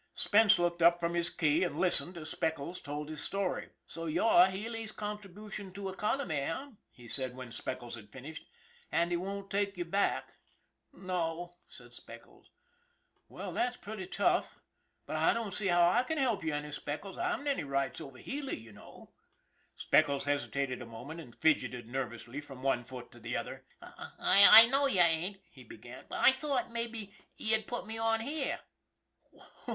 Spence looked up from his key and listened as Speckles told his story. " So you're Healy's contribution to economy, eh ?" he said when Speckles had finished. " And he won't take you back ?"" No," said Speckles. " Well, that's pretty rough. But I don't see how I can help you any, Speckles. I haven't any rights over Healy, you know." Speckles hesitated a moment and fidgeted nerv ously from one foot to the other. " I know you ain't," he began, " but I thought maybe you'd put me on here."